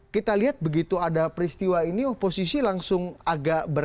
kita lihat begitu ada peristiwa ini oposisi langsung agak berbeda